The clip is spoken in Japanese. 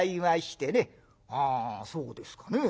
「はあそうですかね。